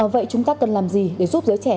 vậy chúng ta cần làm gì để giúp giới trẻ